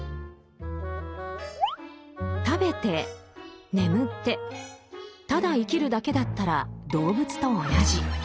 食べて眠ってただ生きるだけだったら動物と同じ。